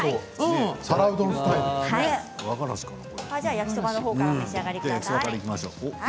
焼きそばの方からお召し上がりください。